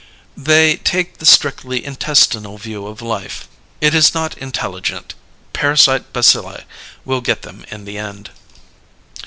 They take the strictly intestinal view of life. It is not intelligent; parasite bacilli will get them in the end.